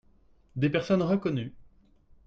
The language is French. des personnes reconnues.